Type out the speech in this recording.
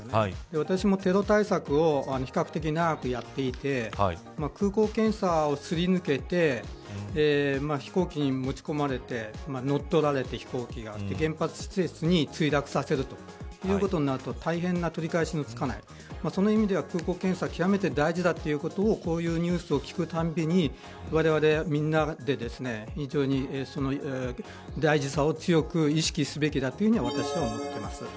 私もテロ対策を比較的長くやっていて空港検査をすり抜けて飛行機に持ち込まれて乗っ取られて原発施設に墜落させるということになると大変な、取り返しのつかないその意味では、空港検査は極めて大事だということをこういうニュースを聞くたびにわれわれは、みんなで非常に大事さを強く意識すべきだと私は思っています。